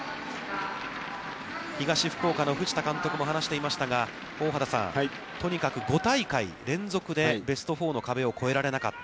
東福岡の藤田監督も話していましたが、大畑さん、とにかく５大会連続でベスト４の壁を越えられなかった。